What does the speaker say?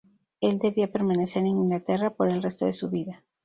Él debía permanecer en Inglaterra por el resto de su vida.